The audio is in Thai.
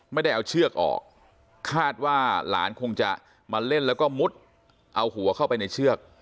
ไม่ได้เอาเชือกออกคาดว่าหลานคงจะมาเล่นแล้วก็มุดเอาหัวเข้าไปในเชือก